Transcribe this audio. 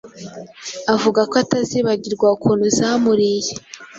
Avuga ko atazibagirwa ukuntu zamuriye